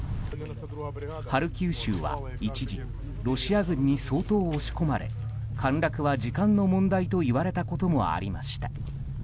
ハルキウ州は一時ロシア軍に相当押し込まれ陥落は時間の問題と言われたこともありました。